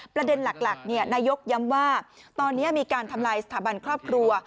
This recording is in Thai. ประเด็นหลักนายกย้ำว่าตอนนี้มีการทำลายสถาบันครอบครัว